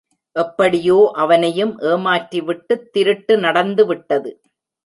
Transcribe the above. எப்படியோ அவனையும் ஏமாற்றிவிட்டுத் திருட்டு நடந்துவிட்டது.